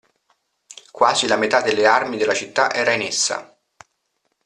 Quasi la metà delle armi della città era in essa.